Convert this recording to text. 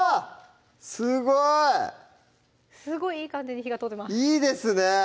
すごいすごいいい感じに火が通ってますいいですね